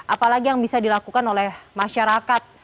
apalagi yang bisa dilakukan oleh masyarakat